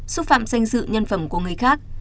xúc phạm danh dự nhân phẩm của người khác